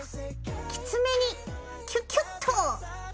きつめにキュキュッと！